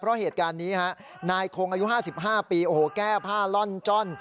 เพราะเหตุการณ์นี้ฮะนายคงอายุ๕๕ปีโอ้โหแก้ผ้าล่อนจ้อน